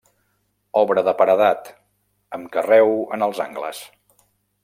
Obra de paredat, amb carreu en els angles.